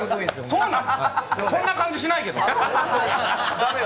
そんな感じしないけど。